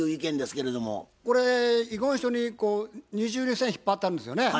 これ遺言書にこう二重に線引っ張ってあるんですよね？